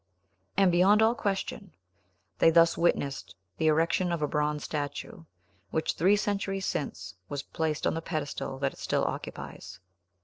And, beyond all question, they thus witnessed the erection of a bronze statue, which, three centuries since, was placed on the pedestal that it still occupies.